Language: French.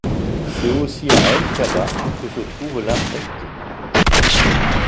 C'est aussi à Mqabba que se trouve la St.